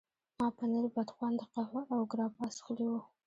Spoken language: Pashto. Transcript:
ما پنیر، بدخونده قهوه او ګراپا څښلي وو.